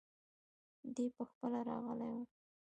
دی پخپله راغلی وو.